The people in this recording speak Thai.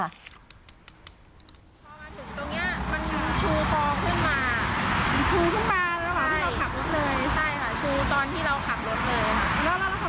กลับมาตั้งแต่กลิ่นด้วยค่ะ